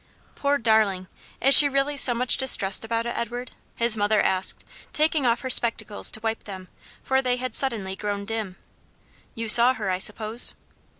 "Poor darling! is she really so much distressed about it, Edward?" his mother asked, taking off her spectacles to wipe them, for they had suddenly grown dim. "You saw her, I suppose?"